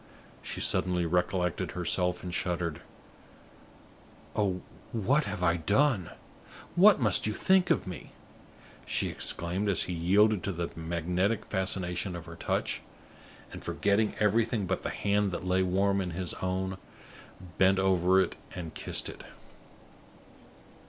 She suddenly recollected herself, and shuddered. "Oh, what have I done? What must you think of me?" she exclaimed, as he yielded to the magnetic fascination of her touch, and, forgetting everything but the hand that lay warm in his own, bent over it and kissed it.